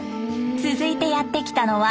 続いてやって来たのは２人組。